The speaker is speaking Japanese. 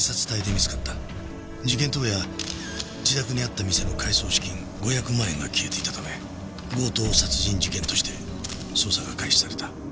事件当夜自宅にあった店の改装資金５００万円が消えていたため強盗殺人事件として捜査が開始された。